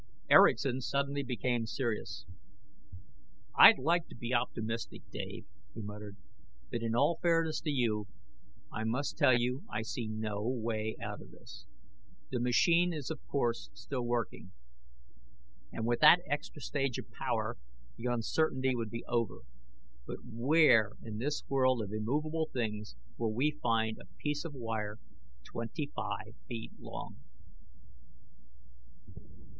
Erickson suddenly became serious. "I'd like to be optimistic, Dave," he muttered, "but in all fairness to you I must tell you I see no way out of this. The machine is, of course, still working, and with that extra stage of power, the uncertainty would be over. But where, in this world of immovable things, will we find a piece of wire twenty five feet long?"